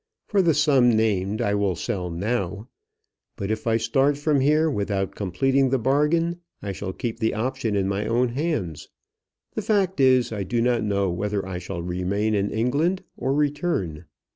For the sum named I will sell now. But if I start from here without completing the bargain, I shall keep the option in my own hands. The fact is, I do not know whether I shall remain in England or return.